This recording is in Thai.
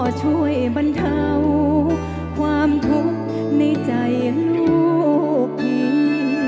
พ่อช่วยบรรเทาความทุกข์ในใจลูกหญิง